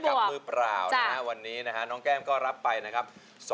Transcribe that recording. กับมือเปล่านะฮะวันนี้นะฮะน้องแก้มก็รับไปนะครับ